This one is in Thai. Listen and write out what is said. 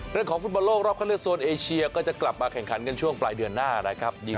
ฟุตบอลโลกรอบเข้าเลือกโซนเอเชียก็จะกลับมาแข่งขันกันช่วงปลายเดือนหน้านะครับ